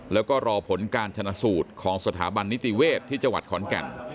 แล้วก็รอผลการชนะสูตรของสถาบันนิติเวศที่จังหวัดขอนแก่น